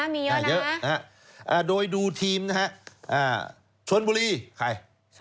มีเยอะนะนะฮะโดยดูทีมนะฮะชวนบุรีใคร